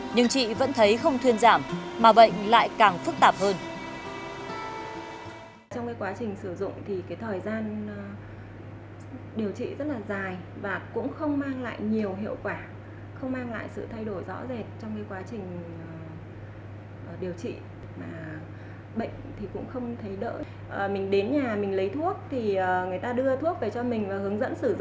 nhưng chị vẫn thấy không thuyên giảm mà bệnh lại càng phức tạp hơn